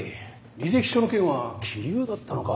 履歴書の件は杞憂だったのか。